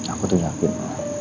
aku tuh yakin